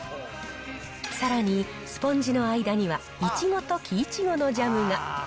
さらにスポンジの間にはイチゴと木イチゴのジャムが。